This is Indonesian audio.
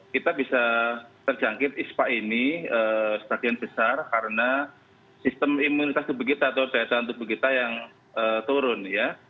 kita bisa terjangkit ispa ini stadion besar karena sistem imunitas tubuh kita atau gejala tubuh kita yang turun